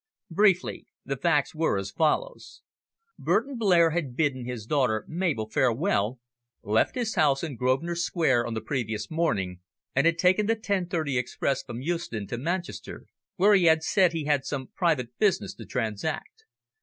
Briefly, the facts were as follows. Burton Blair had bidden his daughter Mabel farewell, left his house in Grosvenor Square on the previous morning, and had taken the ten thirty express from Euston to Manchester, where he had said he had some private business to transact.